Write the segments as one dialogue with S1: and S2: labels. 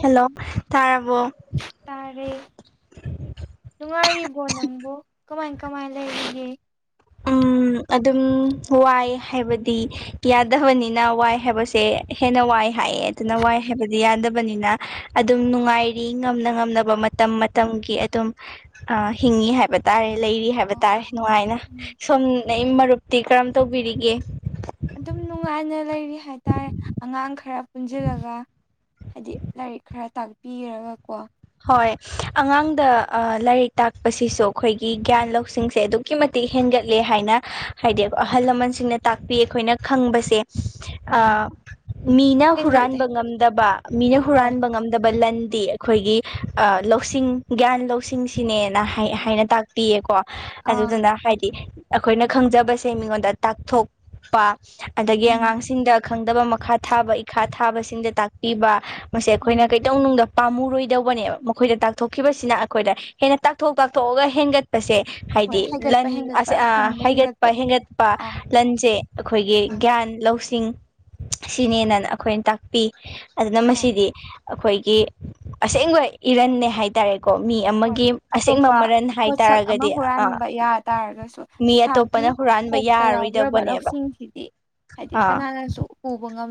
S1: hello ꯇꯥꯔꯕꯣ
S2: ꯇꯥꯔꯦ ꯅꯨꯡꯉꯥꯏꯔꯤꯕꯣ ꯅꯪꯕꯨ ꯀꯃꯥꯏ ꯀꯃꯥꯏ ꯂꯩꯔꯤꯒꯦ
S1: ꯎꯝ ꯑꯗꯨꯝ ꯋꯥꯏ ꯍꯥꯏꯕꯗꯤ ꯌꯥꯗꯕꯅꯤꯅ ꯋꯥꯏ ꯍꯥꯏꯕꯁꯦ ꯍꯦꯟꯅ ꯋꯥꯏ ꯍꯥꯏꯑꯦ ꯑꯗꯨꯅ ꯋꯥꯏ ꯍꯥꯏꯕꯗꯤ ꯌꯥꯗꯕꯅꯤꯅ ꯑꯗꯨꯝ ꯅꯨꯡꯉꯥꯏꯔꯤ ꯉꯝꯅ ꯉꯝꯅꯕ ꯃꯇꯝ ꯃꯇꯝꯒꯤ ꯑꯗꯨꯝ ꯑ ꯍꯤꯡꯉꯤ ꯍꯥꯏꯕ ꯇꯥꯔꯦ ꯂꯩꯔꯤ ꯍꯥꯏꯕ
S2: ꯑꯣ
S1: ꯇꯥꯔꯦ ꯅꯨꯡꯉꯥꯏꯅ
S2: ꯎꯝ
S1: ꯁꯣꯝ ꯅꯋꯤ ꯃꯔꯨꯞꯇꯤ ꯀꯔꯝ ꯇꯧꯕꯤꯔꯤꯒꯦ
S2: ꯑꯗꯨꯝ ꯅꯨꯡꯉꯥꯏꯅ ꯂꯩꯔꯤ ꯍꯥꯏꯇꯥꯔꯦ ꯑꯉꯥꯡ ꯈꯔ ꯄꯨꯟꯁꯤꯜꯂꯒ ꯍꯥꯏꯗꯤ ꯂꯥꯏꯔꯤꯛ ꯈꯔ ꯇꯥꯛꯄꯤꯔꯒꯀꯣ
S1: ꯍꯣꯏ ꯑꯉꯥꯡꯗ ꯑ ꯂꯥꯏꯔꯤꯛ ꯇꯥꯛꯄꯁꯤꯁꯨ ꯑꯩꯈꯣꯏꯒꯤ ꯒ꯭ꯌꯥꯟ ꯂꯧꯁꯤꯡꯁꯦ ꯑꯗꯨꯛꯀꯤ ꯃꯇꯤꯛ ꯍꯦꯟꯒꯠ ꯂꯦ ꯍꯥꯏꯅ ꯍꯥꯏꯗꯤ ꯑꯍꯜ ꯂꯃꯟꯁꯤꯡꯅ ꯇꯥꯛꯄꯤ ꯑꯩꯈꯣꯏꯅ ꯈꯪꯕꯁꯦ ꯑ
S2: ꯎꯝ
S1: ꯃꯤꯅ
S2: ꯍꯦꯟꯒꯠꯂꯦ
S1: ꯍꯨꯔꯥꯟꯕ ꯉꯝꯗꯕ ꯃꯤꯅ
S2: ꯍꯣꯏ
S1: ꯍꯨꯔꯥꯟꯕ ꯉꯝꯗꯕ ꯂꯟꯗꯤ ꯑꯩꯈꯣꯏꯒꯤ ꯑ ꯂꯧꯁꯤꯡ ꯒ꯭ꯌꯥꯟ ꯂꯧꯁꯤꯡꯁꯤꯅꯦ ꯅ ꯍꯥꯏ ꯍꯥꯏꯅ ꯇꯥꯛꯄꯤꯌꯦꯀꯣ
S2: ꯑꯥ
S1: ꯑꯗꯨꯗꯨꯅ ꯍꯥꯏꯗꯤ ꯑꯩꯈꯣꯏꯅ ꯈꯪꯖꯕꯁꯦ ꯃꯤꯉꯣꯟꯗ ꯇꯥꯛꯊꯣꯛꯄ ꯑꯗꯒꯤ
S2: ꯎꯝ
S1: ꯑꯉꯥꯡꯁꯤꯡꯗ ꯈꯪꯗꯕ ꯃꯈꯥ ꯊꯥꯕ ꯏꯈꯥ ꯊꯥꯕꯁꯤꯡꯗ ꯇꯥꯛꯄꯤꯕ ꯃꯁꯦ
S2: ꯎꯝ
S1: ꯑꯩꯈꯣꯏꯅ ꯀꯩꯗꯧꯅꯨꯡꯗ ꯄꯥꯝꯃꯔꯣꯏꯗꯧꯕꯅꯦꯕ ꯃꯈꯣꯏꯗ ꯇꯥꯛꯊꯣꯛꯈꯤꯕꯁꯤꯅ ꯑꯩꯈꯣꯏꯗ ꯍꯦꯟꯅ ꯇꯥꯛꯊꯣꯛ ꯇꯥꯛꯊꯣꯛꯑꯒ ꯍꯦꯟꯒꯠꯄꯁꯦ
S2: ꯍꯣꯏ
S1: ꯍꯥꯏꯗꯤ
S2: ꯍꯥꯏꯒꯠꯄ
S1: ꯂꯟ
S2: ꯍꯦꯟꯒꯠꯄ
S1: ꯑꯁ ꯑ
S2: ꯈꯪꯕ
S1: ꯍꯩꯒꯠꯄ
S2: ꯍꯦꯟꯒꯠꯄꯗꯣ
S1: ꯍꯦꯟꯒꯠꯄ
S2: ꯑꯥ
S1: ꯂꯟꯁꯦ ꯑꯩꯈꯣꯏꯒꯤ
S2: ꯑꯥ
S1: ꯒ꯭ꯌꯥꯟ ꯂꯧꯁ ꯁꯤꯡ ꯁꯤꯅꯦꯅꯅ ꯑꯩꯈꯣꯏꯅ ꯇꯥꯛꯄꯤ ꯑꯗꯨꯅ
S2: ꯑꯥ
S1: ꯃꯁꯤꯗꯤ ꯑꯩꯈꯣꯏꯒꯤ ꯑꯁꯦꯡꯕ ꯏꯔꯟꯅꯦ ꯍꯥꯏꯇꯥꯔꯦ ꯀꯣ ꯃꯤ
S2: ꯍꯣꯏ
S1: ꯑꯃꯒꯤ ꯑꯁꯦꯡꯕ
S2: ꯑꯇꯣꯞꯄ
S1: ꯃꯔꯜ
S2: ꯄꯣꯠꯁꯛ ꯑꯃ
S1: ꯍꯥꯏꯇꯥꯔꯒꯗꯤ ꯑ
S2: ꯍꯨꯔꯥꯟꯕ ꯌꯥ ꯇꯥꯔꯒꯁꯨ
S1: ꯃꯤ ꯑꯇꯣꯞꯄ
S2: ꯏꯁꯥꯒꯤ
S1: ꯅ ꯍꯨꯔꯥꯟꯕ
S2: ꯀꯣꯛꯇ ꯌꯥꯎꯈ꯭ꯔꯕ
S1: ꯌꯥꯔꯔꯣꯏꯗꯧꯕꯅꯦꯕ
S2: ꯂꯧꯁꯤꯡꯁꯤꯗꯤ ꯍꯥꯏꯗꯤ ꯀꯅꯥꯅꯁꯨ ꯎꯕ ꯉꯝ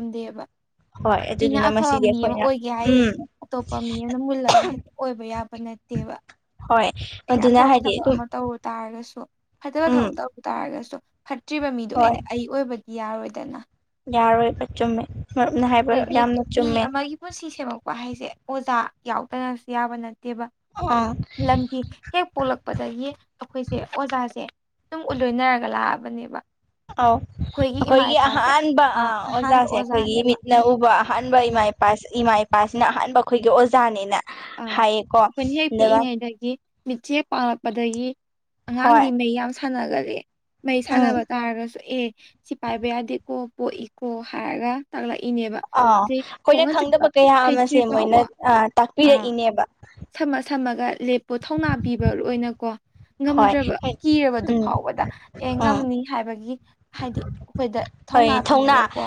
S1: ꯍꯣꯏ
S2: ꯑꯩꯅ
S1: ꯑꯗꯨꯗꯨꯅ
S2: ꯑꯐꯕ
S1: ꯃꯁꯤꯗꯤ
S2: ꯃꯤ ꯑꯃ
S1: ꯑꯩꯈꯣꯏꯅ
S2: ꯑꯣꯏꯒꯦ ꯍꯥꯏꯁꯦ
S1: ꯎꯝ
S2: ꯑꯇꯣꯞꯄ ꯃꯤ ꯑꯃꯅ ꯃꯨꯜꯂꯒ ꯍꯦꯛꯇ ꯑꯣꯏꯕ ꯌꯥꯕ ꯅꯠꯇꯦ ꯅꯠꯇꯦꯕ
S1: ꯍꯣꯏ
S2: ꯑꯩꯅ
S1: ꯑꯗꯨꯅ
S2: ꯑꯐꯕ
S1: ꯍꯥꯏꯗꯤ
S2: ꯊꯕꯛ
S1: ꯑꯗꯨꯝ
S2: ꯑꯃ ꯇꯧꯔꯨ ꯇꯥꯔꯒꯁꯨ ꯐꯠꯇꯕ
S1: ꯎꯝ
S2: ꯊꯕꯛ ꯇꯧꯔꯨ ꯇꯥꯔ ꯍꯥꯏꯔꯒꯁꯨ ꯐꯠꯇ꯭ꯔꯤꯕ ꯃꯤꯗꯣ
S1: ꯍꯣꯏ
S2: ꯑꯩꯅ ꯑꯩ ꯑꯣꯏꯕꯗꯤ ꯌꯥꯔꯣꯏꯗꯅ
S1: ꯌꯥꯔꯣꯏꯕ ꯆꯨꯝꯃꯦ ꯃꯔꯨꯞꯅ ꯍꯥꯏꯕ
S2: ꯑꯗꯒꯤ
S1: ꯌꯥꯝꯅ
S2: ꯃꯤ
S1: ꯆꯨꯝꯃꯦ
S2: ꯑꯃꯒꯤ ꯄꯨꯟꯁꯤ ꯁꯦꯝꯃꯛꯄ ꯍꯥꯏꯁꯦ ꯑꯣꯖꯥ ꯌꯥꯎꯗꯅꯁꯨ ꯌꯥꯕ ꯅꯠꯇꯦꯕ
S1: ꯑꯥ
S2: ꯂꯝꯕꯤ ꯍꯦꯛ ꯄꯣꯛꯂꯛꯄꯗꯒꯤ ꯑꯩꯈꯣꯏꯁꯦ ꯑꯣꯖꯥꯁꯦ ꯑꯗꯨꯝ ꯎꯠꯂꯣꯏꯅꯔꯒ ꯂꯥꯛꯑꯕꯅꯦꯕ
S1: ꯑꯧ
S2: ꯏꯃꯥ
S1: ꯑꯩꯈꯣꯏꯒꯤ
S2: ꯏꯄꯥꯁꯦ
S1: ꯑꯍꯥꯟꯕ
S2: ꯑ
S1: ꯑꯥ
S2: ꯑꯍꯥꯟꯕ
S1: ꯑꯣꯖꯥꯁꯦ ꯑꯩꯈꯣꯏꯒꯤ
S2: ꯑꯣꯖꯥꯅꯦꯕ
S1: ꯏꯃꯤꯠꯅ ꯎꯕ ꯑꯍꯥꯟꯕ
S2: ꯑ
S1: ꯏꯃꯥ ꯏꯄꯥ ꯏꯃꯥ ꯏꯄꯥꯁꯤꯅ ꯑꯍꯥꯟꯕ ꯑꯩꯈꯣꯏꯒꯤ ꯑꯣꯖꯥꯅꯤꯅ
S2: ꯑꯥ ꯑꯩꯈꯣꯏꯅ ꯍꯦꯛ ꯄꯤꯛꯏꯉꯩꯗꯒꯤ ꯃꯤꯠꯆꯦ ꯄꯥꯡꯂꯛꯄꯗꯒꯤ
S1: ꯍꯣꯏ
S2: ꯑꯉꯥꯡꯗꯤ ꯃꯩ ꯌꯥꯝ ꯁꯥꯟꯅꯒꯂꯦ ꯃꯩ
S1: ꯎꯝ
S2: ꯁꯥꯟꯅꯕ ꯇꯥꯔꯒꯁꯨ ꯑꯦ ꯁꯤ ꯄꯥꯏꯕ ꯌꯥꯗꯦꯀꯣ ꯄꯣꯛꯏ ꯀꯣ ꯍꯥꯏꯔꯒ ꯇꯥꯛꯂꯛ
S1: ꯑꯥ ꯑꯩꯈꯣꯏꯅ ꯈꯪꯗꯕ ꯀꯌꯥ
S2: ꯍꯩꯇ꯭ꯔꯤ
S1: ꯑꯃꯁꯦ ꯃꯣꯏꯅ
S2: ꯐꯥꯎꯕ ꯑꯥ
S1: ꯇꯥꯛꯄꯤꯔꯛꯏꯅꯦꯕ
S2: ꯁꯝꯃ ꯁꯝꯃꯒ ꯂꯦꯞꯄꯨ ꯊꯧꯅꯥ ꯄꯤꯕ ꯑꯣꯏꯅꯀꯣ
S1: ꯍꯣꯏ
S2: ꯉꯝꯗ꯭ꯔꯕ ꯀꯤꯔꯕꯗꯨ
S1: ꯎꯝ
S2: ꯐꯥꯎꯕꯗ ꯑꯦ
S1: ꯑꯥ
S2: ꯉꯝꯅꯤ ꯍꯥꯏꯕꯒꯤ ꯍꯥꯏꯗꯤ ꯑꯩꯈꯣꯏꯗ
S1: ꯍꯣꯏ ꯊꯧꯅꯥ
S2: ꯄꯤꯔꯒꯀꯣ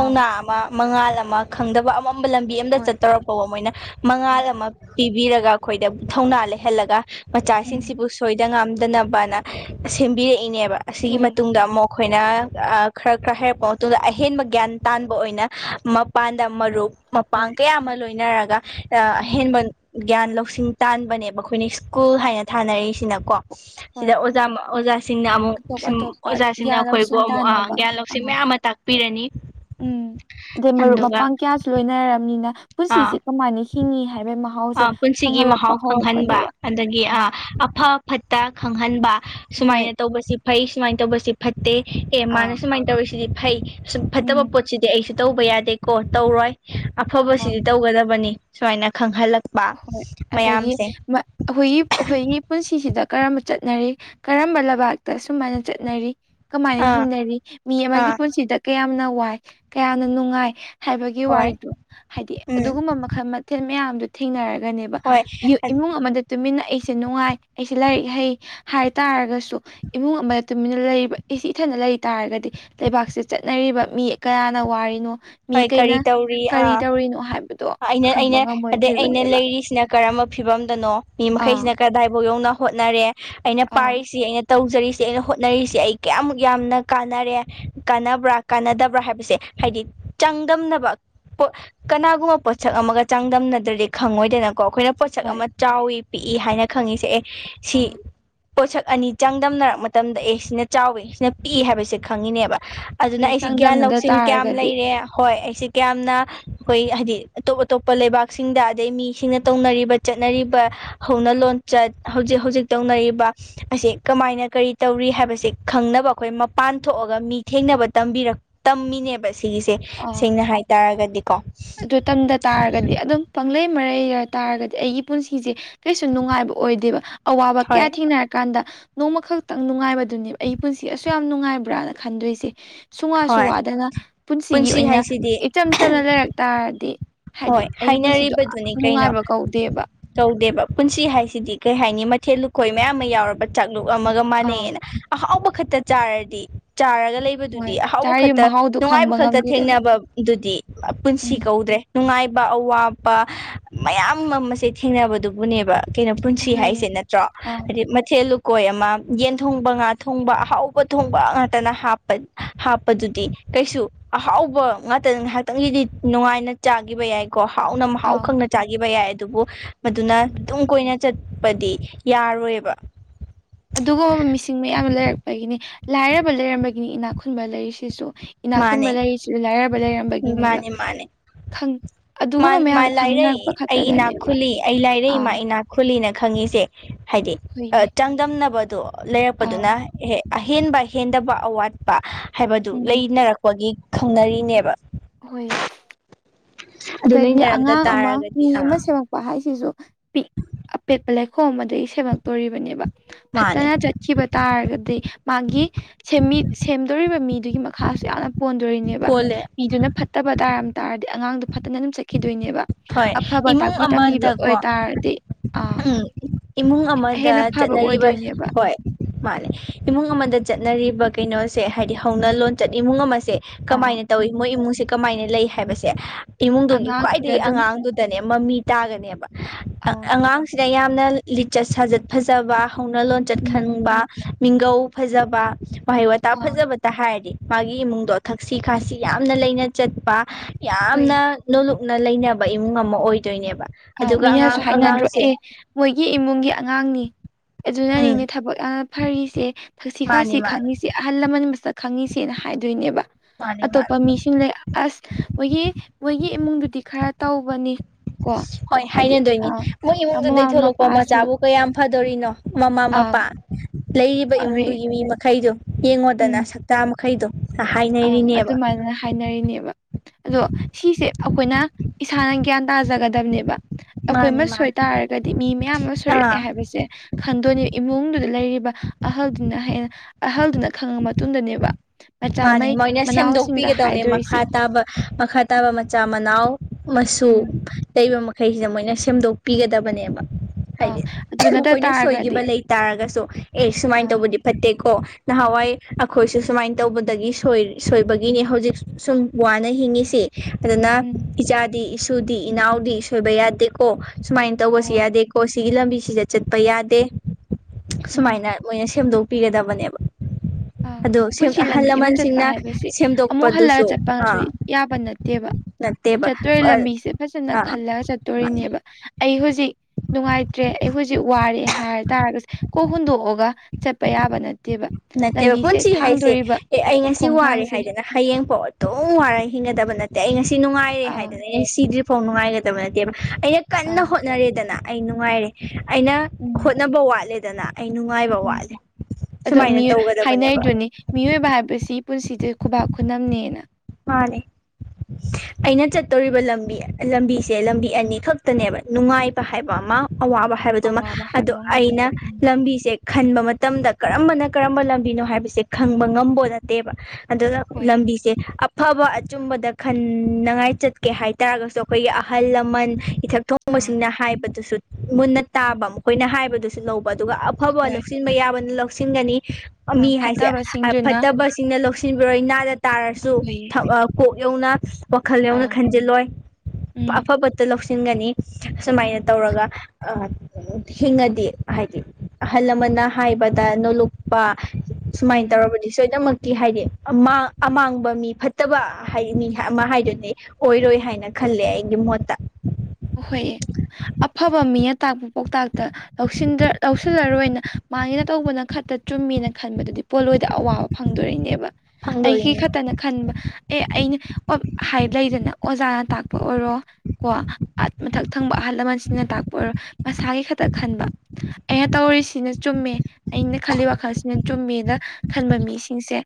S2: ꯑꯥ
S1: ꯑꯃ ꯃꯉꯥꯜ ꯑꯃ ꯈꯪꯗꯕ ꯑꯃꯝꯕ ꯂꯝꯕꯤ ꯑꯃꯗ
S2: ꯍꯣꯏ
S1: ꯆꯠꯇꯧꯔꯛ ꯐꯥꯎꯕ ꯃꯣꯏꯅ
S2: ꯑꯥ
S1: ꯃꯉꯥꯜ ꯑꯃ ꯄꯤ ꯄꯤꯔꯒ ꯑꯩꯈꯣꯏꯗ ꯊꯧꯅꯥ ꯂꯩꯍꯜꯂꯒ
S2: ꯎꯝ
S1: ꯃꯆꯥꯁꯤꯡꯁꯤꯕꯨ ꯁꯣꯏꯗ ꯉꯥꯝ ꯗꯅꯕꯅ ꯁꯦꯝꯕꯤꯔꯛꯏꯅꯦꯕ ꯑꯁꯤꯒꯤ
S2: ꯍꯣꯏ
S1: ꯃꯇꯨꯡꯗ ꯑꯃꯨꯛ ꯑꯈꯣꯏꯅ ꯈꯔ ꯈꯔ ꯍꯥꯏꯔꯛꯄ ꯃꯇꯨꯡꯗ ꯑꯍꯦꯟꯕ ꯒ꯭ꯌꯥꯟ ꯇꯥꯟꯕ ꯑꯣꯏꯅ ꯃꯄꯥꯟꯗ ꯃꯔꯨꯞ
S2: ꯍꯣꯏ
S1: ꯃꯄꯥꯡ ꯀꯌꯥ ꯑꯃ ꯂꯣꯏꯅꯔꯒ
S2: ꯎꯝ
S1: ꯑꯍꯦꯟꯕ ꯒ꯭ꯌꯥꯟ ꯂꯧꯁꯤꯡ ꯇꯥꯟꯕꯅꯦꯕ ꯑꯈꯣꯏꯅ ꯁ꯭ꯀꯨꯜ ꯍꯥꯏꯅ ꯊꯥꯅꯔꯛꯏꯁꯤꯅꯀꯣ
S2: ꯍꯣꯏ
S1: ꯁꯤꯗ ꯑꯣꯖꯥ ꯑꯣꯖꯥꯁꯤꯡꯅ ꯑꯃꯨꯛ
S2: ꯑꯇꯣꯞ ꯑꯇꯣꯞꯄ
S1: ꯑꯣꯖꯥꯁꯤꯡꯅ
S2: ꯒ꯭ꯌꯥꯟ
S1: ꯑꯈꯣꯏꯕꯨ
S2: ꯂꯧꯁꯤꯡ
S1: ꯑꯃꯨꯛ ꯑꯥ
S2: ꯇꯥꯟꯅꯕ
S1: ꯒ꯭ꯌꯥꯟ ꯂꯧꯁꯤꯡ ꯃꯌꯥꯝ ꯑꯃ ꯇꯥꯛ
S2: ꯎꯝ ꯑꯗꯩ ꯃꯔꯨꯞ
S1: ꯑꯗꯨꯒ
S2: ꯃꯄꯥꯡ ꯀꯌꯥꯁꯨ ꯂꯣꯏꯅꯔꯕꯅꯤꯅ
S1: ꯑꯥ
S2: ꯄꯨꯟꯁꯤꯁꯦ ꯀꯃꯥꯏꯅ ꯍꯤꯡꯉꯤ ꯍꯥꯏꯕ
S1: ꯑꯥ ꯄꯨꯟꯁꯤꯒꯤ ꯃꯍꯥꯎ ꯈꯪꯍꯟꯕ ꯑꯗꯒꯤ ꯑꯥ ꯑꯐ ꯐꯠꯇ ꯈꯪꯍꯟꯕ
S2: ꯍꯣꯏ
S1: ꯁꯨꯃꯥꯏꯅ ꯇꯧꯕꯁꯤ ꯐꯩ ꯁꯨꯃꯥꯏꯅ ꯇꯧꯕꯁꯤ ꯐꯠꯇꯦ ꯑꯦ ꯃꯥꯅ
S2: ꯑꯥ
S1: ꯁꯨꯃꯥꯏꯅ ꯇꯧꯔꯤꯁꯤꯗꯤ ꯐꯩ ꯁꯨꯝ
S2: ꯎꯝ
S1: ꯐꯠꯇꯕ ꯄꯣꯠꯁꯤꯗꯤ ꯑꯩꯁꯨ ꯇꯧꯕ ꯌꯥꯗꯦꯀꯣ ꯇꯧꯔꯣꯏ
S2: ꯑ
S1: ꯑꯐꯕꯁꯤꯗꯤ ꯇꯧꯒꯗꯕꯅꯤ ꯁꯨꯃꯥꯏꯅ ꯈꯪꯍꯜꯂꯛ
S2: ꯍꯣꯏ ꯑꯗꯒꯤ ꯑꯈꯣꯏꯒꯤ ꯑꯈꯣꯏꯒꯤ ꯄꯨꯟꯁꯤꯁꯤꯗ ꯀꯔꯝꯕ ꯆꯠꯅꯔꯤ ꯀꯔꯝꯕ ꯂꯩꯕꯥꯛꯇ ꯁꯨꯃꯥꯏꯅ ꯆꯠꯅꯔꯤ ꯀꯃꯥꯏꯅ
S1: ꯑꯥ
S2: ꯍꯤꯡꯅꯔꯤ ꯃꯤ ꯑꯃꯒꯤ
S1: ꯑꯥ
S2: ꯄꯨꯟꯁꯤꯗ ꯀꯌꯥꯝꯅ ꯋꯥꯏ ꯀꯌꯥꯝꯅ ꯅꯨꯡꯉꯥꯏ ꯍꯥꯏꯕꯒꯤ
S1: ꯍꯣꯏ
S2: ꯋꯥꯔꯤꯗꯣ ꯍꯥꯏꯗꯤ
S1: ꯎꯝ
S2: ꯑꯗꯨꯒꯨꯝꯕ ꯃꯈꯜ ꯃꯊꯦꯜ ꯃꯌꯥꯝꯗꯣ ꯊꯦꯡꯅꯔꯒꯦ ꯅꯦꯕ
S1: ꯍꯣꯏ
S2: ꯏꯃꯨꯡ ꯑꯃꯗ ꯇꯨꯃꯤꯟꯅ ꯑꯩ ꯑꯩꯁꯦ ꯅꯨꯡꯉꯥꯏ ꯑꯩꯁꯦ ꯂꯥꯏꯔꯤꯛ ꯍꯩ ꯍꯥꯏ ꯇꯥꯔꯒꯁꯨ ꯏꯃꯨꯡ ꯑꯃꯗ ꯇꯨꯃꯤꯟꯅ ꯂꯩꯔꯤꯕ ꯑꯩꯁꯤ ꯏꯊꯟꯗ ꯂꯩꯇꯥꯥꯔꯒꯗꯤ ꯂꯩꯕꯥꯛꯁꯤ ꯆꯠꯅꯔꯤꯕ ꯃꯤ ꯀꯌꯥꯅ ꯋꯥꯔꯤꯔꯤꯅꯣ ꯃꯤ
S1: ꯍꯣꯏ ꯀꯔꯤ
S2: ꯀꯩꯅ
S1: ꯇꯧꯔꯤ
S2: ꯀꯔꯤ
S1: ꯑꯥ
S2: ꯇꯧꯔꯤꯅꯣ ꯍꯥꯏꯕꯗꯣ
S1: ꯑꯩꯅ
S2: ꯈꯪꯕ
S1: ꯑꯩꯅ
S2: ꯉꯝꯃꯣꯏ
S1: ꯑꯗꯩ ꯑꯩꯅ ꯂꯩꯔꯤꯁꯤꯅ ꯀꯔꯝꯕ ꯐꯤꯕꯝꯗꯅꯣ ꯃꯤ
S2: ꯑꯥ
S1: ꯃꯈꯩꯁꯤꯅ ꯀꯗꯥꯏꯐꯥꯎ ꯌꯧꯅ ꯍꯣꯠꯅꯔꯦ ꯑꯩꯅ
S2: ꯑꯥ
S1: ꯄꯥꯏꯔꯤꯁꯤ ꯑꯩꯅ ꯇꯧꯖꯔꯤꯁꯦ ꯑꯩꯅ ꯍꯣꯠꯅꯔꯤꯁꯦ ꯑꯩ ꯀꯌꯥꯃꯨꯛ ꯌꯥꯝꯅ ꯀꯥꯟꯅꯔꯦ ꯀꯥꯟꯅꯕ꯭ꯔꯥ ꯀꯥꯟꯅꯗꯕ꯭ꯔꯥ ꯍꯥꯏꯕꯁꯦ ꯍꯥꯏꯗꯤ ꯆꯥꯡꯗꯝꯅꯕ ꯄꯣ ꯀꯅꯥꯒꯨꯝꯕ ꯄꯣꯠꯁꯛ ꯑꯃꯒ ꯆꯥꯡꯗꯝꯅꯗ꯭ꯔꯗꯤ ꯈꯪꯉꯣꯏꯗꯅꯀꯣ ꯑꯩꯈꯣꯏꯅ ꯄꯣꯠꯁꯛ
S2: ꯍꯣꯏ
S1: ꯑꯃ ꯆꯥꯎꯋ ꯄꯤꯛꯏ ꯍꯥꯏꯅ ꯈꯪꯉꯤꯁꯦ ꯑꯦ ꯁꯤ
S2: ꯑꯥ
S1: ꯄꯣꯠꯁꯛ ꯑꯅꯤ ꯆꯥꯡꯗꯝꯅꯔꯛ ꯃꯇꯝꯗ ꯑꯦ ꯁꯤꯅ ꯆꯥꯎꯋꯦ ꯁꯤꯅ ꯄꯤꯛꯏ ꯍꯥꯏꯕꯁꯦ ꯈꯪꯉꯤꯅꯦꯕ ꯑꯗꯨꯅ
S2: ꯑꯩꯈꯣꯏ
S1: ꯑꯩꯁꯤ ꯒ꯭ꯌꯥꯟ
S2: ꯆꯥꯡꯗꯝꯅꯗ
S1: ꯂꯧꯁꯤꯡ ꯀꯌꯥꯝ
S2: ꯇꯥꯔꯒꯗꯤ
S1: ꯂꯩꯔꯦ ꯍꯣꯏ ꯑꯩꯁꯤꯦ ꯀꯌꯥꯝꯅ ꯑꯩꯈꯣꯏ ꯍꯥꯏꯗꯤ ꯑꯇꯣꯞ ꯑꯇꯣꯞꯄ ꯂꯩꯕꯥꯛꯁꯤꯡꯗ ꯑꯗꯩ ꯃꯤꯁꯤꯡꯅ ꯇꯧꯅꯔꯤꯕ ꯆꯠꯅꯔꯤꯕ ꯍꯧꯅ ꯂꯣꯟꯆꯠ ꯍꯧꯖꯤꯛ ꯍꯧꯖꯤꯛ ꯇꯧꯅꯔꯤꯕ ꯑꯁꯤ ꯀꯃꯥꯏꯅ ꯀꯔꯤ ꯇꯧꯔꯤ ꯍꯥꯏꯕꯕꯁꯤ ꯈꯪꯅꯕ ꯑꯩꯈꯣꯏ ꯃꯄꯥꯟ ꯊꯣꯛꯑꯒ ꯃꯤ ꯃꯤ ꯊꯦꯡꯅꯕ ꯇꯝꯕꯤꯔꯛ ꯇꯝꯃꯤꯅꯦꯕ ꯁꯤꯒꯤꯁꯦ ꯁꯦꯡꯅ ꯍꯥꯏꯇꯥꯔꯒꯗꯤꯀꯣ
S2: ꯃꯇꯝꯝꯗ ꯇꯥꯔꯒꯗꯤ ꯑꯗꯨꯝ ꯄꯪꯂꯩ ꯃꯔꯩ ꯇꯥꯔꯒꯗꯤ ꯑꯩꯒꯤ ꯄꯨꯟꯁꯤꯁꯦ ꯀꯩꯁꯨ ꯅꯨꯡꯉꯥꯏꯕ ꯑꯣꯏꯗꯦꯕ ꯑꯋꯥꯕ
S1: ꯍꯣꯏ
S2: ꯀꯌꯥ ꯊꯦꯡꯅꯔꯀꯥꯟꯗ ꯅꯣꯡꯃ ꯈꯛꯇꯪ ꯅꯨꯡꯉꯥꯏꯕꯗꯨꯅꯦꯕ ꯑꯩꯒꯤ ꯄꯨꯟꯁꯤ ꯑꯁꯨ ꯌꯥꯝ ꯅꯨꯡꯉꯥꯏꯕ꯭ꯔꯥꯅ ꯈꯟꯗꯣꯏꯁꯦ ꯁꯨꯡꯋꯥꯁꯨ
S1: ꯍꯣꯏ
S2: ꯋꯥꯗꯅ ꯄꯨꯟꯁꯤꯒꯤ
S1: ꯄꯨꯟꯁꯤ
S2: ꯑꯣꯏꯅ
S1: ꯍꯥꯏꯁꯤꯗꯤ
S2: ꯏꯆꯝ ꯆꯝꯅ ꯂꯩꯔꯛ ꯇꯥꯔꯗꯤ ꯍꯥꯏꯗꯤ
S1: ꯍꯣꯏ
S2: ꯑꯩꯒꯤ ꯄꯨꯟꯁꯤꯗꯣ ꯌꯥꯝ
S1: ꯍꯥꯏꯅꯔꯤꯕꯗꯨꯅꯤ ꯀꯩꯅꯣ
S2: ꯅꯨꯡꯉꯥꯏꯕ ꯀꯧꯗꯦꯕ
S1: ꯇꯧꯗꯦꯕ ꯄꯨꯟꯁꯤ ꯍꯥꯏꯁꯤꯗꯤ ꯀꯩ ꯍꯥꯏꯅꯤ ꯊꯦꯜꯂꯨꯈꯣꯏ ꯃꯌꯥꯝ ꯑꯃ ꯌꯥꯎꯔꯕ ꯆꯥꯛꯂꯨꯛ ꯑꯃꯒ
S2: ꯑꯥ
S1: ꯃꯥꯟꯅꯩꯌꯦꯅ ꯑꯍꯥꯎꯕ ꯈꯛꯇ ꯆꯥꯔꯗꯤ ꯆꯥꯔꯒ
S2: ꯍꯣꯏ
S1: ꯂꯩꯕꯗꯨꯗꯤ ꯑꯍꯥꯎꯕ
S2: ꯆꯥꯔꯤꯕ
S1: ꯈꯛꯇ
S2: ꯃꯍꯥꯎꯗꯣ
S1: ꯅꯨꯡꯉꯥꯏꯕ
S2: ꯈꯪꯕ
S1: ꯈꯛꯇ
S2: ꯉꯝꯗꯦꯗꯅ
S1: ꯊꯦꯡꯅꯕꯗꯨꯗꯤ ꯄꯨꯟꯁꯤ
S2: ꯎꯝ
S1: ꯀꯧꯗ꯭ꯔꯦ ꯅꯨꯡꯉꯥꯏꯕ ꯑꯋꯥꯕ ꯃꯌꯥꯝ ꯑꯃꯁꯦ ꯊꯦꯡꯅꯕꯗꯨꯕꯨꯅꯦꯕ ꯀꯩꯅꯣ ꯄꯨꯟꯁꯤ
S2: ꯍꯣꯏꯌꯦ
S1: ꯍꯥꯏꯁꯦ ꯅꯠꯇ꯭ꯔꯣ
S2: ꯑꯥ
S1: ꯍꯥꯏꯗꯤ ꯃꯊꯦꯜ ꯂ ꯀꯣꯏ ꯑꯃ ꯌꯦꯟ ꯊꯣꯡꯕ ꯉꯥ ꯊꯣꯡꯕ ꯑꯍꯥꯎꯕ ꯊꯣꯡꯕ ꯉꯥꯛꯇꯅ ꯍꯥꯞ ꯍꯥꯞꯄꯗꯨꯗꯤ ꯀꯩꯁꯨ ꯑꯍꯥꯎꯕ ꯉꯇꯗ ꯉꯥꯏꯍꯥꯛꯇꯪꯒꯤꯗꯤ ꯅꯨꯡꯉꯥꯏꯅ ꯆꯥꯈꯤꯕ ꯌꯥꯏꯀꯣ ꯍꯥꯎꯅ ꯃꯍꯥꯎ
S2: ꯑꯥ
S1: ꯈꯪꯅ ꯆꯥꯈꯤꯕ ꯌꯥꯏ ꯑꯗꯨꯕꯨ ꯃꯗꯨꯅ
S2: ꯎꯝ
S1: ꯇꯨꯡ ꯀꯣꯏꯅ ꯆꯠꯄꯗꯤ ꯌꯥꯔꯣꯏꯕ
S2: ꯑꯗꯨꯒꯨꯝꯕ ꯃꯤꯁꯤꯡ ꯃꯌꯥꯝ ꯂꯩꯔꯛꯄꯒꯤꯅꯤ ꯂꯥꯏꯔꯕ ꯂꯩꯔꯝꯕꯒꯤꯅꯤ ꯏꯅꯥꯛ ꯈꯨꯟꯕ ꯂꯩꯔꯤꯁꯤꯁꯨ ꯏꯅꯥꯛ ꯈꯨꯟꯕ
S1: ꯃꯥꯅꯦ
S2: ꯂꯩꯔꯤꯁꯤꯁꯨ ꯂꯥꯏꯔꯕ ꯂꯩꯔꯝꯕꯒꯤꯅꯦꯕ
S1: ꯃꯥꯅꯦ ꯃꯥꯅꯦ
S2: ꯈꯪ
S1: ꯃ
S2: ꯑꯗꯨꯒꯨꯝꯕ
S1: ꯃꯥ
S2: ꯃꯌꯥꯝꯗꯣ
S1: ꯂꯥꯏꯔꯩ
S2: ꯈꯪꯅꯔꯛꯄ
S1: ꯑꯩ ꯏꯅꯥꯛ
S2: ꯈꯛꯇꯗꯅꯦꯕ
S1: ꯈꯨꯜꯂꯤ ꯑꯩ ꯂꯥꯏꯔꯩ
S2: ꯑꯥ
S1: ꯃꯥ ꯏꯅꯥꯛ ꯈꯨꯜꯂꯤꯅ ꯈꯪꯉꯤꯁꯦ ꯍꯥꯏꯗꯤ
S2: ꯍꯣꯏꯌꯦ
S1: ꯆꯥꯡꯗꯝꯅꯕꯗꯣ ꯂꯩꯔꯛꯄꯗꯨꯅ
S2: ꯑꯥ
S1: ꯍꯦ ꯑꯍꯦꯟꯕ ꯍꯦꯟꯗꯕ ꯑꯋꯥꯠꯄ ꯍꯥꯏꯕꯗꯨ
S2: ꯎꯝ
S1: ꯂꯩꯅꯔꯛꯄꯒꯤ ꯈꯪꯅꯔꯤꯅꯦꯕ
S2: ꯍꯣꯏ
S1: ꯑꯗꯨ
S2: ꯑꯗꯒꯤ
S1: ꯂꯩꯅꯔꯝꯗ
S2: ꯑꯉꯥꯡ ꯑꯃ
S1: ꯇꯥꯔꯒꯗꯤ
S2: ꯃꯤ ꯑꯃ
S1: ꯑꯥ
S2: ꯁꯦꯝꯃꯛꯄ ꯍꯥꯏꯁꯤꯁꯨ ꯑꯄꯦꯠꯄ ꯂꯩꯈꯣꯝ ꯑꯃꯗꯒꯤ ꯁꯦꯝꯂꯛꯇꯣꯔꯤꯕꯅꯦꯕ
S1: ꯃꯥꯅꯦ
S2: ꯐꯠꯇꯅ ꯆꯠꯈꯤꯕ ꯇꯥꯔꯒ ꯗꯤ ꯃꯥꯒꯤ ꯁꯦꯝꯃꯤ ꯁꯦꯝꯗꯧꯔꯤꯕ ꯃꯤꯗꯨꯒꯤ ꯃꯈꯥꯁꯨ ꯌꯥꯝꯅ ꯄꯣꯟꯗꯣꯔꯤꯅꯦꯕ
S1: ꯀꯣꯜꯂꯦ
S2: ꯃꯤꯗꯨꯅ ꯐꯠꯇꯕ ꯇꯥꯔꯝ ꯇꯥꯔꯗꯤ ꯑꯉꯥꯡꯗꯣ ꯐꯠꯇꯅ ꯑꯗꯨꯝ ꯆꯠꯈꯤ ꯗꯣꯏꯅꯦꯕ
S1: ꯍꯣꯏ
S2: ꯑꯐꯕ
S1: ꯏꯃꯨꯡ
S2: ꯇꯥꯛꯄꯤ ꯇꯝꯕꯤꯕ
S1: ꯑꯃꯗꯀꯣ
S2: ꯑꯣꯏꯇꯥꯔꯗꯤ ꯑꯥ
S1: ꯏꯃꯨꯡ ꯑꯃꯗ
S2: ꯍꯦꯟꯅ ꯐꯕ
S1: ꯆꯠꯅꯔꯤꯕ
S2: ꯑꯣꯏꯗꯣꯏꯅꯦꯕ
S1: ꯍꯣꯏ ꯃꯥꯅꯦ ꯏꯃꯨꯡ ꯑꯃꯗ ꯆꯠꯅꯔꯤꯕ ꯀꯩꯅꯣꯁꯦ ꯍꯥꯏꯗꯤ ꯍꯧꯅ ꯂꯣꯟꯆꯠ ꯏꯃꯨꯡ ꯑꯃꯁꯦ
S2: ꯑꯥ
S1: ꯀꯃꯥꯏꯅ ꯇꯧꯋꯤ ꯃꯣꯏ ꯏꯃꯨꯡꯁꯦ ꯀꯃꯥꯏꯅ ꯂꯩ ꯍꯥꯏꯕꯁꯦ ꯏꯃꯨꯡꯗꯨꯒꯤ
S2: ꯑꯉꯥꯡꯗꯨꯗ
S1: ꯈ꯭ꯋꯥꯏꯗꯒꯤ
S2: ꯑꯗꯨꯝ
S1: ꯑꯉꯥꯡꯗꯨꯗꯅꯦ ꯃꯃꯤ ꯇꯥꯒꯅꯦꯕ
S2: ꯑꯥ
S1: ꯑꯉꯥꯡꯁꯤꯗ ꯌꯥꯝꯅ ꯂꯤꯆꯠ ꯁꯥꯖꯠ ꯐꯖꯕ ꯍꯧꯅ ꯂꯣꯟꯆꯠ
S2: ꯎꯝ
S1: ꯈꯪꯕ ꯃꯤꯡꯒꯧ ꯐꯖꯕ ꯋꯥꯍꯩ ꯋꯥꯇꯥ
S2: ꯑꯥ
S1: ꯐꯖꯕꯇ ꯍꯥꯏꯔꯗꯤ ꯃꯥꯒꯤ ꯏꯃꯨꯡꯗꯣ ꯊꯛꯁꯤ ꯈꯥꯁꯤ ꯌꯥꯝꯅ ꯂꯩꯅ ꯆꯠꯄ
S2: ꯍꯣꯏ
S1: ꯌꯥꯝꯅ ꯅꯣꯂꯨꯛ ꯅ ꯂꯩꯅꯕ ꯏꯃꯨꯡ ꯑꯃ ꯑꯣꯏꯗꯣꯏꯅꯦꯕ
S2: ꯑ
S1: ꯑꯗꯨꯒ
S2: ꯃꯤꯅꯁꯨ
S1: ꯑꯉꯥꯡ
S2: ꯍꯥꯏꯅꯗ꯭ꯔꯣ
S1: ꯑꯉꯥꯡꯁꯦ
S2: ꯑꯦ ꯃꯣꯏꯒꯤ ꯏꯃꯨꯡꯒꯤ ꯑꯉꯥꯡꯅꯤ
S1: ꯎꯝ
S2: ꯑꯗꯨꯅꯅꯤꯅꯦ ꯊꯕꯛ ꯌꯥꯝꯅ ꯐꯔꯤꯁꯦ ꯊꯛꯁꯤ ꯈꯥꯁꯤ
S1: ꯃꯥꯅꯤ ꯃꯥꯅꯤ
S2: ꯈꯪꯉꯤꯁꯤ ꯑꯍꯜ ꯂꯃꯟ ꯃ ꯁꯛ ꯈꯪꯉꯁꯦꯅ ꯍꯥꯏꯗꯣꯏꯅꯦꯕ
S1: ꯃꯥꯅꯤ
S2: ꯑꯇꯣꯞꯄ
S1: ꯃꯥꯅꯤ
S2: ꯃꯤꯁꯤꯡ ꯂꯩ ꯑꯁ ꯃꯣꯏꯒꯤ ꯃꯣꯏꯒꯤ ꯏꯃꯨꯡꯗꯨꯗꯤ ꯈꯔ ꯇꯧꯕꯅꯤ ꯀꯣ
S1: ꯍꯣꯏ
S2: ꯍꯥꯏꯗꯤ
S1: ꯍꯥꯏꯅꯗꯣꯏꯅꯦ ꯃꯣꯏ
S2: ꯑ ꯃꯃꯥ
S1: ꯏꯃꯨꯡꯗꯨꯗꯩ ꯊꯣꯛꯂꯛꯄ
S2: ꯃꯄꯥꯁꯨ
S1: ꯃꯆꯥꯕꯨ ꯀꯌꯥꯝ ꯐꯗꯣꯔꯤꯅꯣ ꯃꯃꯥ
S2: ꯑꯥ
S1: ꯃꯄꯥ ꯂꯩꯔꯤꯕ
S2: ꯑꯔꯦ
S1: ꯏꯃꯨꯡꯗꯨꯒꯤ ꯃꯤ ꯃꯈꯩꯗꯣ
S2: ꯎꯝ
S1: ꯌꯦꯡꯉꯣꯗꯅ ꯁꯛꯇꯥ ꯃꯈꯩꯗꯣ
S2: ꯑꯥ
S1: ꯍꯥꯏꯅꯔꯤꯅꯦꯕ
S2: ꯑꯗꯨꯃꯥꯏꯅ ꯍꯥꯏꯅꯔꯤꯅꯦꯕ ꯑꯗꯣ ꯁꯤꯁꯦ ꯑꯩꯈꯣꯏꯅ ꯏꯁꯥꯅ ꯒ꯭ꯌꯥꯟ ꯇꯥꯖꯒꯗꯕꯅꯦꯕ ꯑꯩꯈꯣꯏ ꯑꯃ
S1: ꯃꯥꯅꯤ
S2: ꯁꯣꯏ
S1: ꯃꯥꯅꯤ
S2: ꯇꯥꯔꯒꯗꯤ ꯃꯤ ꯃꯌꯥꯝ ꯑꯃ ꯁꯣꯏꯔꯛꯑꯦ
S1: ꯑꯥ
S2: ꯍꯥꯏꯕꯁꯦ ꯈꯪꯗꯣꯏꯅꯤ ꯏꯃꯨꯡꯗꯨꯗ ꯂꯩꯔꯤꯕ ꯑꯍꯜꯗꯨꯅ ꯍꯦꯟꯅ ꯑꯍꯜꯗꯨꯅ ꯈꯪꯉ ꯃꯇꯨꯡꯗꯅꯦꯕ
S1: ꯃꯥꯅꯦ
S2: ꯃꯆꯥꯃꯩ
S1: ꯃꯣꯏꯅ
S2: ꯃꯅꯥꯎꯁꯤꯡꯗ
S1: ꯁꯦꯝꯗꯣꯛꯄꯤꯒꯗꯧꯅꯦ
S2: ꯍꯥꯏꯗꯣꯔꯤꯁꯤ
S1: ꯃꯈꯥ ꯇꯥꯕ ꯃꯈꯥ ꯇꯥꯕ ꯃꯆꯥ ꯃꯅꯥꯎ ꯃ ꯇꯨ
S2: ꯎꯝ
S1: ꯂꯩꯕ ꯃꯈꯩꯁꯤꯗ ꯃꯣꯏꯅ ꯁꯦꯝꯗꯣꯛꯄꯤꯒꯗꯕꯅꯦꯕ
S2: ꯑꯥ
S1: ꯍꯥꯏꯗꯤ
S2: ꯑꯗꯨ ꯅꯠꯇ
S1: ꯃꯈꯣꯏꯅ
S2: ꯇꯥꯔꯒꯗꯤ
S1: ꯁꯣꯏꯈꯤꯕ ꯂꯩ ꯇꯥꯔꯒꯁꯨ ꯑꯦ ꯁꯨꯃꯥꯏꯅ
S2: ꯑꯥ
S1: ꯇꯧꯕꯗꯤ ꯐꯠꯇꯦ ꯀꯣ ꯅꯍꯥꯟꯋꯥꯏ ꯑꯩꯈꯣꯏꯁꯦ ꯁꯨꯃꯥꯏꯅ ꯇꯧꯕꯗꯒꯤ ꯁꯣꯢ ꯁꯣꯢꯕꯒꯤꯅꯤ ꯍꯧꯖꯤꯛ ꯁꯨꯝ ꯋꯥꯅ ꯍꯤꯡꯉꯁꯤ ꯑꯗꯨꯅ
S2: ꯎꯝ
S1: ꯏꯆꯥꯗꯤ ꯏꯁꯨꯗꯤ ꯏꯅꯥꯎꯗꯤ ꯁꯣꯏꯕ ꯌꯥꯗꯦꯀꯣ ꯁꯨꯃꯥꯏꯅ ꯇꯧꯕꯁꯦ
S2: ꯑꯥ
S1: ꯌꯥꯗꯦꯀꯣ ꯁꯤꯒꯤ ꯂꯝꯕꯤꯁꯤꯗ ꯆꯠꯄ ꯌꯥꯗꯦ
S2: ꯎꯝ
S1: ꯁꯨꯃꯥꯏꯅ ꯃꯣꯏꯅ ꯁꯦꯝꯗꯣꯛꯄꯤꯒꯗꯕꯅꯦꯕ ꯑꯗꯣ ꯁꯦꯝ
S2: ꯁꯤ ꯂꯝꯕꯤ ꯑꯃ ꯆꯠꯄ ꯍꯥꯏꯕꯁꯦ ꯑꯃꯨꯛ ꯍꯜꯂꯒ ꯆꯠꯄꯒꯁꯨ
S1: ꯑꯥ
S2: ꯌꯥꯕ ꯅꯠꯇꯦꯕ
S1: ꯅꯠꯇꯦꯕ
S2: ꯆꯠꯇꯣꯔꯤ ꯂꯝꯕꯤꯁꯦ ꯐꯖꯅ
S1: ꯑꯥ
S2: ꯈꯜꯂꯒ ꯆꯠꯇꯣꯔꯤꯅꯦꯕ ꯑꯩ ꯍꯨꯖꯤꯛ ꯅꯨꯡꯉꯥꯏꯇ꯭ꯔꯦ ꯑꯩꯈꯣꯏꯖꯤꯛ ꯋꯥꯔꯦ ꯍꯥꯏ ꯇꯥꯔꯒꯁ ꯀꯣꯛ ꯍꯨꯟꯗꯣꯛꯑꯒ ꯆꯠꯄ ꯌꯥꯕ ꯅꯠꯇꯦꯕ
S1: ꯅꯠꯇꯦꯕ
S2: ꯂꯝꯕꯤꯁꯦ
S1: ꯄꯨꯟꯁꯤ ꯍꯥꯏꯁꯦ
S2: ꯊꯥꯡꯗꯣꯔꯤꯕ
S1: ꯑꯦ ꯑꯩ ꯉꯁꯤ ꯋꯥꯔꯦ
S2: ꯈꯣꯡꯊꯥꯡꯁꯦ
S1: ꯍꯥꯏꯗꯅ ꯍꯌꯦꯡꯐꯥꯎ ꯑꯗꯨꯝ ꯋꯥꯔꯒ ꯍꯤꯡꯒꯗꯕ ꯅꯠꯇꯦ ꯑꯩ ꯉꯁꯤ ꯁꯤ ꯅꯨꯡꯉꯥꯏꯔꯦ
S2: ꯑꯥ
S1: ꯍꯥꯏꯗꯅ ꯑꯩ ꯁꯤꯗ꯭ꯔꯤꯐꯥꯎ ꯅꯨꯡꯉꯥꯏꯒꯗꯕ ꯅꯠꯇꯦꯕ ꯑꯩꯅ
S2: ꯑꯥ
S1: ꯀꯟꯅ ꯍꯣꯠꯅꯔꯦꯗꯅ ꯑꯩ ꯅꯨꯡꯉꯥꯏꯔꯦ ꯑꯩꯅ
S2: ꯎꯝ
S1: ꯍꯣꯠꯅꯕ ꯋꯥꯠꯂꯦꯗꯅ ꯑꯩ ꯅꯨꯡꯉꯥꯏꯕ ꯋꯥꯠꯂꯦ
S2: ꯗꯣ ꯃꯤ
S1: ꯁꯨꯃꯥꯏꯅ ꯇꯧꯒꯗꯕꯅꯦꯕ
S2: ꯍꯥꯏꯅꯩꯗꯨꯅꯤ ꯃꯤꯑꯣꯏꯕ ꯍꯥꯏꯕꯁꯤ ꯄꯨꯟꯁꯤꯗꯤ ꯈꯨꯕꯥꯛ ꯈꯨꯅꯝꯅꯦꯅ
S1: ꯃꯥꯅꯦ ꯑꯩꯅ ꯆꯠ ꯇꯣꯔꯤꯕ ꯂꯝꯕꯤ ꯂꯝꯕꯤꯁꯦ ꯂꯝꯕꯤ ꯑꯅꯤ ꯈꯛꯇꯅꯦꯕ ꯅꯨꯡꯉꯥꯏꯕ ꯍꯥꯏꯕ ꯑꯃ ꯑꯋꯥꯕ ꯍꯥꯏꯕꯗꯨꯃ
S2: ꯑꯋꯥꯕ ꯍꯥꯏꯕ
S1: ꯑꯗꯣ
S2: ꯑꯃꯒꯗ
S1: ꯑꯩꯅ
S2: ꯎꯝ
S1: ꯂꯝꯕꯤꯁꯦ ꯈꯟꯕ ꯃꯇꯝꯗ ꯀꯔꯝꯕꯅ ꯀꯔꯝꯕ ꯂꯝꯕꯤꯅꯣ ꯍꯥꯏꯕꯁꯦ ꯈꯪꯕ ꯉꯝꯕꯣ ꯅꯠꯇꯦꯕ ꯑꯗꯨꯅ
S2: ꯍꯣꯏ
S1: ꯂꯝꯕꯤꯁꯦ ꯑꯞ ꯐꯕ ꯑꯆꯨꯝꯕꯗ ꯈꯟꯅꯉꯥꯏ ꯆꯠꯀꯦ ꯍꯥꯏꯇꯥꯔꯒꯁꯨ ꯑꯩꯈꯣꯏꯒꯤ ꯑꯍꯜ ꯂꯃꯟ ꯏꯊꯛ
S2: ꯑꯥ
S1: ꯊꯣꯡꯕꯁꯤꯡꯅ ꯍꯥꯏꯕꯗꯨꯁꯨ ꯃꯨꯟꯅ ꯇꯥꯕ ꯃꯈꯣꯏꯅ ꯍꯥꯏꯕꯗꯨꯁꯨ ꯂꯧꯕ ꯑꯗꯨꯒ ꯑꯐꯕ
S2: ꯍꯣꯏ
S1: ꯂꯧꯁꯤꯟꯕ ꯌꯥꯕꯅ ꯂꯧꯁꯤꯟꯒꯅꯤ
S2: ꯑ
S1: ꯃꯤ ꯍꯥꯏꯁꯦ
S2: ꯐꯠꯇꯕꯁꯤꯡꯗꯨꯅ
S1: ꯐꯠꯇꯕꯁꯤꯡꯅ ꯂꯧ ꯁꯤꯟꯕꯤꯔꯣꯏ ꯅꯥꯗ ꯇꯥꯔꯁꯨ
S2: ꯑꯩꯈꯣꯏ
S1: ꯀꯣꯛ ꯌꯧꯅ ꯋꯥꯈꯜ ꯌꯥꯎꯅ
S2: ꯑꯥ
S1: ꯈꯟꯖꯤꯜꯂꯣꯏ
S2: ꯎꯝ
S1: ꯑꯐ ꯐꯠꯇ ꯂꯧꯁꯤ ꯁꯤꯟꯒꯅꯤ ꯁꯨꯃꯥꯏꯅ ꯇꯧꯔꯒ ꯍꯤꯡꯉꯗꯤ ꯍꯥꯏꯗꯤ ꯑꯍꯜ ꯂꯟ ꯅ ꯍꯥꯏꯕꯗ ꯅꯣꯂꯨꯛꯄ ꯁꯨꯃꯥꯏꯅ
S2: ꯎꯝ
S1: ꯇꯧꯔꯕꯗꯤ ꯁꯣꯏꯗꯃꯛꯀꯤ ꯍꯥꯏꯗꯤꯥ ꯑꯃꯥꯡꯕ ꯃꯤ ꯐ ꯐꯠꯇꯕ ꯍꯥꯏ ꯃꯤ ꯑꯃ ꯍꯥꯏꯗꯨꯅꯦ ꯑꯣꯏꯔꯣꯏ ꯍꯥꯏꯅ ꯈꯜꯂꯦ ꯑꯩꯒꯤ ꯃꯣꯠꯇ
S2: ꯍꯣꯏ ꯑꯐꯕ ꯃꯤꯅ ꯇꯥꯛꯄ ꯄꯥꯎꯇꯥꯛꯇ ꯂꯧꯁꯤꯜꯂꯔꯣꯏꯅ ꯃꯥꯒꯤꯅ ꯇꯧꯕꯅ ꯈ ꯐꯠꯇ ꯆꯨꯝꯃꯦꯅ ꯈꯟꯕꯗꯨꯗꯤ ꯄꯣꯠꯂꯣꯏꯗ ꯑꯋꯥꯕ ꯐꯪꯗꯣꯔꯤꯅꯦꯕ ꯑꯩꯒꯤ
S1: ꯐꯪꯗꯣꯔꯤꯅꯦ
S2: ꯈꯛꯇꯅ ꯈꯟꯕ ꯑꯦ ꯑꯩꯅ ꯍꯥꯏ ꯂꯩꯗꯅ ꯑꯣꯖꯥꯅ ꯇꯥꯛꯄ ꯑꯣꯏꯔꯣ ꯀꯣ ꯑꯥꯠ ꯃꯊꯛ ꯊꯪꯕ ꯑꯍꯜ ꯂꯃꯟꯁꯤꯡꯅ ꯇꯥꯛꯄ ꯑꯣꯏꯔꯣ ꯃꯁꯥꯒꯤ ꯈꯛꯇ ꯈꯟꯕ ꯑꯩꯅ ꯇꯧꯔꯤꯁꯤꯅ ꯆꯨꯝꯃꯦ ꯑꯩꯅ ꯈꯜꯂꯤ ꯋꯥꯈꯜꯁꯤꯅ ꯆꯨꯝꯃꯦꯅ ꯈꯟꯕ ꯃꯤꯁꯤꯡꯁꯦ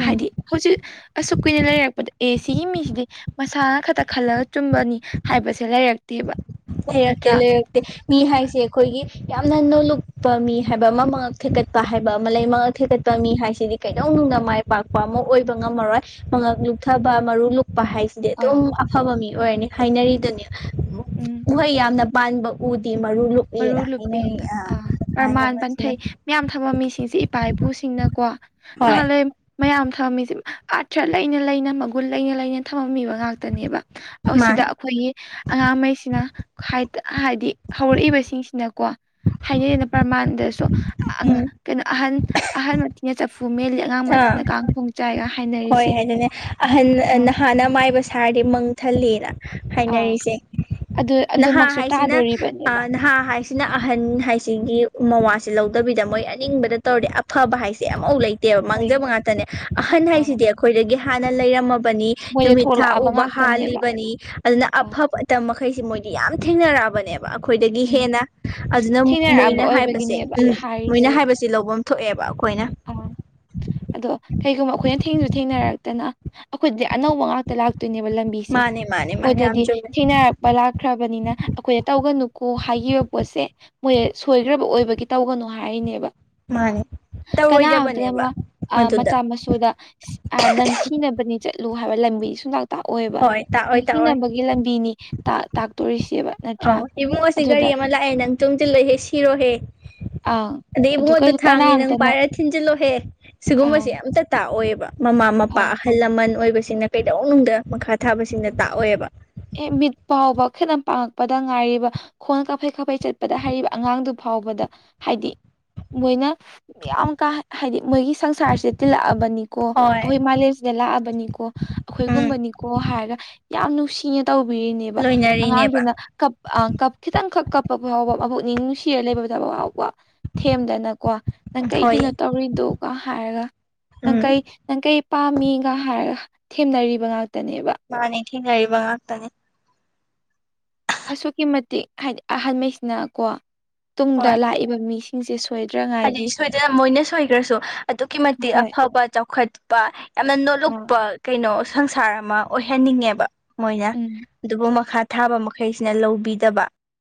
S1: ꯎꯝ
S2: ꯍꯥꯏꯗꯤ ꯍꯧꯖꯤꯛ ꯑꯁꯨ ꯀꯨꯏꯅ ꯂꯩꯔꯛꯄꯗ ꯑꯦ ꯁꯤꯒꯤ ꯃꯤꯁꯤꯗꯤ ꯃꯁꯥꯅ ꯈꯛꯇ ꯈꯜꯂꯒ ꯆꯨꯝꯕꯅꯤ ꯍꯥꯏꯕꯁꯦ ꯂꯩꯔꯛꯇꯦꯕ
S1: ꯂꯩꯔꯛꯇꯦ
S2: ꯅꯠꯇ꯭ꯔꯥ
S1: ꯂꯩꯔꯛꯇꯦ ꯃꯤ ꯍꯥꯏꯁꯦ ꯑꯈꯣꯏꯒꯤ ꯌꯥꯝꯅ ꯅꯣꯂꯨꯛꯄ ꯃꯤ ꯍꯥꯏꯕ ꯑꯃ ꯃꯉꯛ ꯊꯦꯛꯀꯠꯄ ꯍꯥꯏꯕ ꯑꯃ ꯂꯩ ꯃꯉꯛ ꯊꯦꯛꯀꯠꯄ ꯃꯤ ꯍꯥꯏꯁꯤꯗꯤ ꯀꯩꯗꯧ ꯃꯥꯏ ꯄꯥꯛꯄ ꯑꯃ ꯑꯣꯏꯕ ꯉꯝꯃꯔꯣꯏ ꯃꯉꯛ ꯂꯨꯞꯊꯕ ꯃꯔꯨ ꯂꯨꯛꯄ ꯍꯥꯏꯁꯤꯗꯤ
S2: ꯑꯥ
S1: ꯑꯗꯨꯝ ꯑꯐꯕ ꯃꯤ ꯑꯣꯏꯔꯅꯤ ꯍꯥꯏꯅꯔꯤꯗꯨꯅꯦ
S2: ꯎꯝ
S1: ꯌꯥꯝꯅ ꯄꯥꯟꯕ ꯎꯗꯤ ꯃꯔꯨ
S2: ꯃꯔꯨ
S1: ꯂꯨꯞꯏꯅ
S2: ꯂꯨꯄꯦꯟ
S1: ꯍꯥꯏꯅꯔꯤ ꯑꯥ
S2: ꯑ
S1: ꯑꯥ
S2: ꯄ꯭ꯔꯃꯥꯟ
S1: ꯂꯃꯟꯁꯤꯡꯅ
S2: ꯄꯟꯊꯩ ꯃꯌꯥꯝ ꯊꯕ ꯃꯤꯁꯤꯡꯁꯦ ꯏꯄꯥ ꯏꯄꯨꯁꯤꯡꯅꯀꯣ
S1: ꯍꯣꯏ
S2: ꯅꯍꯥꯟꯋꯥꯏ ꯃꯌꯥꯝ ꯊꯝꯃꯤꯁꯦ ꯑꯥꯔꯊ꯭ꯔ ꯂꯩꯅ ꯂꯩꯅ ꯃꯒꯨꯟ ꯂꯩꯅ ꯂꯩꯅ ꯊꯝꯃꯝꯃꯤꯕ ꯉꯥꯛꯇꯅꯦꯕ ꯁꯤꯗ
S1: ꯃꯥꯅꯤ
S2: ꯑꯈꯣꯏꯒꯤ ꯑꯉꯥꯡꯉꯩꯁꯤꯅ ꯍꯥꯏꯗꯤ ꯍꯧꯔꯛꯏꯕꯁꯤ ꯁꯤꯡꯁꯤꯅꯀꯣ ꯍꯥꯏꯅꯩꯩꯅ ꯄ꯭ꯔꯃꯥꯟꯗꯁꯨ
S1: ꯎꯝ
S2: ꯀꯩꯅꯣ ꯑꯍꯟ ꯑꯍꯟ ꯃꯊꯤꯅ ꯆꯐꯨ ꯃꯦꯜꯂꯤ ꯑꯉꯥꯡ
S1: ꯑꯥ
S2: ꯃꯊꯤꯅ ꯀꯥꯡꯈꯣꯡ ꯆꯥꯏꯒ
S1: ꯍꯣꯏ
S2: ꯍꯥꯏꯅꯔꯤꯁꯦ
S1: ꯑꯗꯨꯅꯦ ꯑꯍꯟ
S2: ꯑꯥ
S1: ꯅꯍꯥꯟꯅ ꯃꯥꯏꯕ ꯁꯥꯔꯗꯤ ꯃꯪ ꯊꯜꯂꯤꯅ
S2: ꯑ
S1: ꯍꯥꯏꯅꯔꯤꯁꯦ
S2: ꯑꯗꯨ
S1: ꯅꯍꯥ
S2: ꯑꯗꯨꯃꯛꯁꯨ
S1: ꯍꯥꯏꯁꯤꯅ
S2: ꯇꯥꯗꯣꯔꯤꯕꯅꯦꯕ
S1: ꯅꯍꯥ ꯍꯥꯏꯁꯤꯅ ꯑꯍꯟ ꯍꯥꯏꯁꯤꯒꯤ ꯃꯋꯥꯁꯦ ꯂꯧꯗꯕꯤꯗ ꯃꯣꯏ ꯑꯅꯤꯡꯕꯗ ꯇꯧꯔꯦ ꯑꯐꯕ ꯍꯥꯏꯁꯦ ꯑꯐꯥꯎ ꯂꯩꯇꯦ
S2: ꯍꯣꯏ
S1: ꯃꯥꯡꯖꯕ ꯉꯥꯛꯇꯅꯦ ꯑꯍꯟ
S2: ꯑꯥ
S1: ꯍꯥꯏꯁꯤꯗꯤ ꯑꯩꯈꯣꯏꯗꯒꯤ ꯍꯥꯟꯅ ꯂꯩꯔꯝꯃꯕ
S2: ꯃꯣꯏꯗ
S1: ꯅꯨꯃꯤꯠ ꯊꯥ
S2: ꯊꯣꯛꯂꯛꯑꯕ
S1: ꯎꯕ
S2: ꯉꯥꯛꯇꯅꯦꯕ
S1: ꯍꯥꯜꯂꯤꯕꯅꯤ ꯑꯗꯨꯅ
S2: ꯑꯥ
S1: ꯑꯐꯇ ꯃꯈꯩꯁꯤ ꯃꯣꯏ ꯌꯥꯝ ꯊꯦꯡꯅꯔꯛꯑꯕꯅꯦ ꯑꯈꯣꯏꯗꯒꯤ
S2: ꯎꯝ
S1: ꯍꯦꯟꯅ ꯑꯗꯨꯅ
S2: ꯊꯦꯡꯅꯔꯛꯑꯕ
S1: ꯃꯣꯏꯅ ꯍꯥꯏꯕꯁꯦ
S2: ꯑꯣꯏꯕꯒꯤꯅꯦꯕ
S1: ꯎꯝ
S2: ꯍꯥꯏꯔꯤꯁꯦ
S1: ꯃꯣꯏꯅ ꯍꯥꯏꯕꯁꯦ ꯂꯐꯝ ꯊꯣꯛꯑꯦꯕ ꯑꯩꯈꯣꯏꯅ
S2: ꯑꯥ ꯑꯗꯣ ꯀꯩꯒꯨꯝꯕ ꯑꯈꯣꯏꯅ ꯊꯦꯡꯁꯨ ꯊꯦꯡꯅꯔꯛꯇꯅ ꯑꯈꯣꯏꯗꯤ ꯑꯅꯧꯕ ꯉꯥꯛꯇ ꯂꯥꯛꯇ ꯇꯣꯏꯅꯦꯕ ꯂꯝꯕꯤꯁꯦ
S1: ꯃꯥꯅꯦ ꯃꯥꯅꯦ ꯃꯥꯅꯦ ꯌꯥꯝ
S2: ꯃꯣꯏꯗꯗꯤ
S1: ꯆꯨꯝꯃꯦ
S2: ꯊꯦꯡꯅꯔꯛꯄ ꯂꯥꯛꯈ꯭ꯔꯕꯅꯤꯅ ꯑꯈꯣꯏꯗ ꯇꯧꯒꯅꯨ ꯀꯣ ꯍꯥꯏꯈꯤꯕ ꯄꯣꯠꯁꯦ ꯃꯣꯏ ꯁꯣꯏꯈ꯭ꯔꯕ ꯑꯣꯏꯕꯒꯤ ꯇꯧꯒꯅꯨ ꯍꯥꯏꯔꯤꯅꯦꯕ
S1: ꯃꯥꯅꯦ
S2: ꯀꯅꯥ ꯑꯃꯝꯇꯅ
S1: ꯇꯧꯔꯣꯏꯗꯕꯅꯦꯕ
S2: ꯃꯥ
S1: ꯃꯗꯨꯗ
S2: ꯃꯆꯥ ꯃꯁꯨꯗ ꯅꯪ ꯁꯤꯅꯕꯅꯤ ꯆꯠ ꯂꯨ ꯍꯥꯏꯕ ꯂꯝꯕꯤꯗꯤ ꯁꯨꯡꯇꯥꯛ ꯇꯥꯛꯑꯣꯏꯕ
S1: ꯍꯣꯏ ꯇꯥꯛꯑꯣꯏ ꯇꯥꯛꯑꯣꯏ
S2: ꯅꯤꯡꯁꯤꯅꯕꯒꯤ ꯂꯝꯕꯤꯅꯤ ꯇꯥꯛꯇꯣꯔꯤꯁꯤ
S1: ꯑ ꯏꯕꯨꯡ ꯑꯁꯤ ꯒꯥꯔꯤ ꯑꯃ ꯂꯥꯛꯑꯦ ꯅꯪ ꯆꯣꯡꯁꯤꯜꯂꯛꯍꯦ ꯁꯤꯔꯣꯍꯦ
S2: ꯑꯪ
S1: ꯑꯦꯕ ꯃ
S2: ꯑꯗꯨ
S1: ꯑꯗꯨꯗꯨ
S2: ꯀꯩ
S1: ꯊꯥꯡꯪꯅꯤ ꯅꯪ
S2: ꯀꯅꯥꯝꯇꯅ
S1: ꯄꯔꯠ ꯊꯤꯟꯖꯤꯜꯂꯣꯍꯦ ꯁꯤꯒꯨꯝꯕꯁꯦ
S2: ꯑꯪ
S1: ꯌꯥꯝꯇ ꯇꯥꯛꯑꯣꯏꯑꯕ ꯃꯃꯥ
S2: ꯑ
S1: ꯃꯄꯥ ꯑꯍꯜ ꯂꯃꯟ ꯑꯣꯏꯕ ꯕꯁꯤꯅ ꯀꯩꯗꯧꯅꯨꯡꯗ ꯃꯈꯥ ꯊꯥꯕꯁꯤꯅ ꯇꯥꯛꯑꯣꯏꯕ
S2: ꯑꯦ ꯃꯤꯠ ꯐꯥꯎꯕ ꯈꯈꯤꯇ ꯄꯥꯡꯉꯛꯄꯗ ꯉꯥꯏꯔꯤꯕ ꯈꯣꯟ ꯀꯥꯐꯩ ꯀꯥꯐꯩ ꯆꯠꯄꯗ ꯍꯥꯏꯔꯤꯕ ꯑꯉꯥꯡꯗꯨ ꯐ ꯐꯥꯎꯕꯗ ꯍꯥꯏꯗꯤ ꯃꯣꯏꯅ ꯌꯥꯝ ꯀꯥ ꯍꯥꯏꯗꯤ ꯃꯣꯏꯒꯤ ꯁꯪꯁꯥꯔꯁꯦ ꯇꯤꯜꯂꯛꯑꯕꯅꯤꯀꯣ
S1: ꯍꯣꯏ
S2: ꯑꯈꯣꯏ ꯃꯥꯂꯦꯝꯁꯤꯗ ꯂꯥꯛꯑꯕꯅꯤꯀꯣ
S1: ꯎꯝ
S2: ꯑꯈꯣꯏꯒꯨꯝꯕꯅꯤꯀꯣ ꯍꯥꯏꯔꯒ ꯌꯥꯝ ꯅꯨꯡꯁꯤꯅ ꯇꯧꯕꯤꯔꯤꯅꯦꯕ
S1: ꯂꯣꯏꯅꯔꯤꯅꯦꯕ
S2: ꯑꯉꯥꯡꯗꯨꯅ ꯈꯤꯇꯪꯈꯛ ꯀꯞꯄ ꯐꯥꯎꯕ ꯃꯕꯨꯛꯅꯤꯡ ꯅꯨꯡꯁꯤꯔ ꯂꯩꯕꯗꯕ ꯍꯥꯎꯕ ꯊꯦꯝꯗꯅꯀꯣ ꯅꯪ
S1: ꯍꯣꯏ
S2: ꯀꯩꯒꯤꯅꯣ ꯇꯧꯔꯤꯗꯣꯒ ꯍꯥꯏꯔꯒ ꯅꯪ
S1: ꯎꯝ
S2: ꯀꯩ ꯅꯪ ꯀꯩ ꯄꯥꯝꯃꯤꯒ ꯍꯥꯏꯔꯒ ꯊꯦꯝꯅꯔꯤꯕ ꯉꯥꯛꯇ
S1: ꯃꯥꯅꯦ ꯊꯦꯡꯅꯔꯤꯕ ꯉꯥꯛꯇꯅꯤ
S2: ꯑꯁꯨꯛꯀꯤ ꯃꯇꯤꯛ ꯍꯥꯏꯗꯤ ꯑꯍꯜꯍꯥꯏꯁꯤꯅ ꯀꯣ ꯇꯨꯡꯗ
S1: ꯍꯣꯏ
S2: ꯂꯥꯛꯏꯕ ꯃꯤꯁꯤꯡꯁꯦ
S1: ꯍꯥꯏꯗꯤ
S2: ꯁꯣꯏꯗ꯭ꯔꯉꯥꯏꯒꯤ
S1: ꯁꯣꯏꯗꯅ ꯃꯣꯏꯅ ꯁꯣꯏꯈ꯭ꯔꯁꯨ ꯑꯗꯨꯛꯀꯤ ꯃꯇꯤꯛ
S2: ꯍꯣꯏ
S1: ꯑꯐꯕ ꯆꯥꯎꯈꯠꯄ ꯌꯥꯝꯅ ꯅꯣꯂꯨꯛ
S2: ꯑꯥ
S1: ꯄ ꯀꯩꯅꯣ ꯁꯪꯁꯥꯔ ꯑꯃ ꯑꯣꯏꯍꯟꯅꯤꯡꯉꯦꯕ ꯃꯣꯏꯅ
S2: ꯎꯝ
S1: ꯑꯗꯨꯕꯨ ꯃꯈꯥ ꯊꯥꯕ ꯃꯈꯩꯁꯤꯅ ꯂꯧꯕꯤꯗꯕ